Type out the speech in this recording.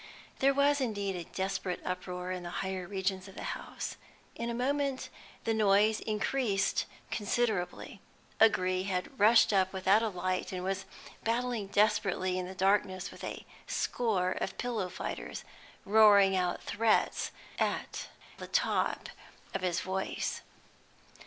There was indeed a desperate uproar in the higher regions of the house. In a moment the noise increased considerably. O'Gree had rushed up without a light, and was battling desperately in the darkness with a score of pillow fighters, roaring out threats the while at the top of his voice.